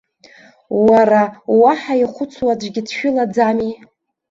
Уара, уаҳа ихәыцуа аӡәгьы дшәылаӡами?